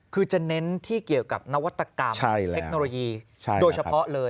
คือจะเน้นที่เกี่ยวกับนวัตกรรมเทคโนโลยีโดยเฉพาะเลย